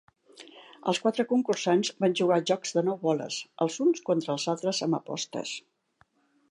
Els quatre concursants van jugar jocs de nou boles els uns contra els altres amb apostes.